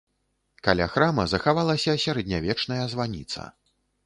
Каля храма захавалася сярэднявечная званіца.